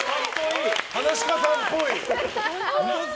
噺家さんっぽい。